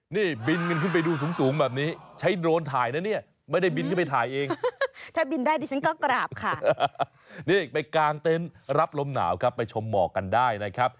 เนี้ยบินมันขึ้นไปดูสูงแบบนี้ใช้โดรนถ่ายนะเนี้ยไม่ได้บินขึ้นไปถ่ายเอง